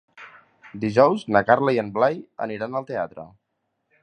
Dijous na Carla i en Blai aniran al teatre.